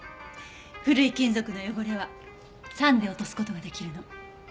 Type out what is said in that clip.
古い金属の汚れは酸で落とす事が出来るの。